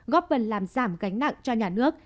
góp phần làm giảm gánh nặng cho nhà nước